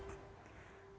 berpengaruh dengan kesehatan